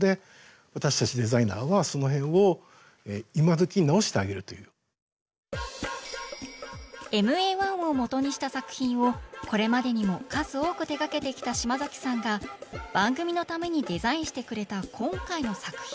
どうしてもこうＭＡ−１を元にした作品をこれまでにも数多く手掛けてきた嶋さんが番組のためにデザインしてくれた今回の作品。